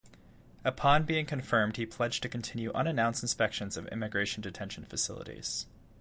Upon being confirmed he pledged to continue unannounced inspections of immigration detention facilities.